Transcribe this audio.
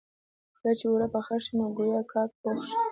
کله چې اوړه پاخه شي نو ګويا کاک پوخ شي.